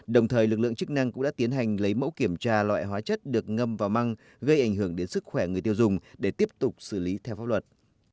đồng thời lực lượng chức năng cũng đã tiến hành lấy mẫu kiểm tra loại hóa chất được ngâm vào măng gây ảnh hưởng đến sức khỏe người tiêu dùng để tiếp tục xử lý theo pháp luật